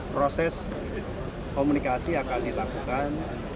proses komunikasi akan dilakukan